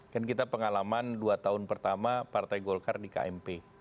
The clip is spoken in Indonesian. kan kita pengalaman dua tahun pertama partai golkar di kmp